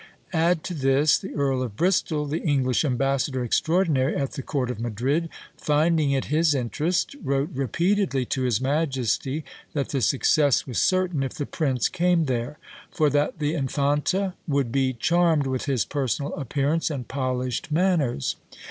Add to this, the Earl of Bristol, the English ambassador extraordinary at the court of Madrid, finding it his interest, wrote repeatedly to his majesty that the success was certain if the prince came there, for that the Infanta would be charmed with his personal appearance and polished manners.